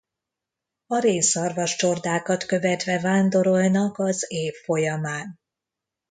A rénszarvas csordákat követve vándorolnak az év folyamán.